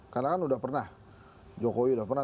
karena kan sudah pernah